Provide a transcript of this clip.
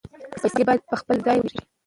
پیسې باید په خپل ځای ولګیږي.